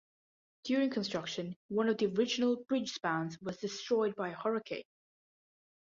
During construction, one of the original bridge spans was destroyed by a hurricane.